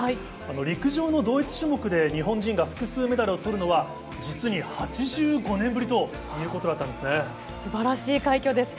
陸上の同一種目で日本人が複数メダルをとるのは実に８５年ぶりということだったんですね。